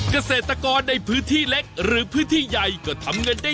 เกษตรกรในพื้นที่เล็กหรือพื้นที่ใหญ่ก็ทำเงินได้